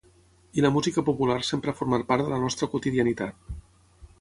I la música popular sempre ha format part de la nostra quotidianitat